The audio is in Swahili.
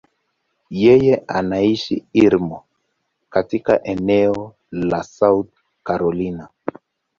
Yeye anaishi Irmo, katika eneo la South Carolina.